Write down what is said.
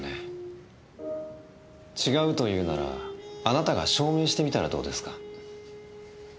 違うというならあなたが証明してみたらどうですか？